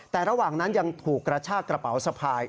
แต่ระหว่างนั้นยังถูกกระชากระเป๋าสะพาย